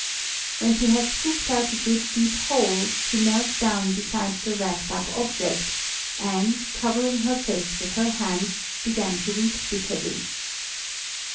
When she had scooped out a good deep hole, she knelt down beside the wrapped up object, and, covering her face with her hands, began to weep bitterly.